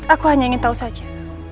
aku hanya ingin tahu saja